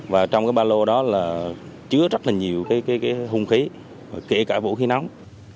và trong cái ba lô đó là chứa rất là nhiều cái hung khí kể cả vũ khí nóng